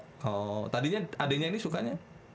oh tadinya ade nya ini sukanya